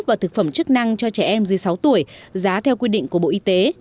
và thực phẩm chức năng cho trẻ em dưới sáu tuổi giá theo quy định của bộ y tế